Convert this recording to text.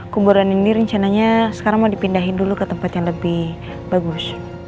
kuburan ini rencananya sekarang mau dipindahin dulu ke tempat yang lebih bagus